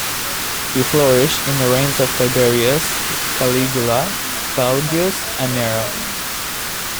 He flourished in the reigns of Tiberius, Caligula, Claudius and Nero.